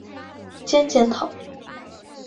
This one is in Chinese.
兼检讨。